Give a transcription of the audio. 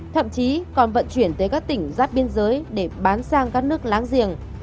thậm chí còn vận chuyển tới các tỉnh giáp biên giới để bán sang các nước láng giềng